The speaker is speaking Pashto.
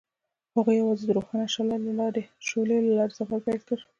هغوی یوځای د روښانه شعله له لارې سفر پیل کړ.